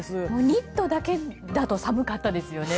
ニットだけだと寒かったですよね。